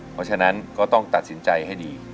เพราะฉะนั้นก็ต้องตัดสินใจให้ดี